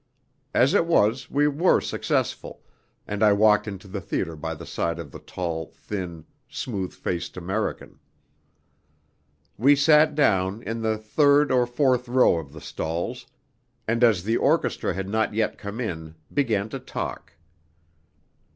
As it was, we were successful, and I walked into the theatre by the side of the tall, thin, smooth faced American. We sat down, in the third or fourth row of the stalls, and, as the orchestra had not yet come in, began to talk.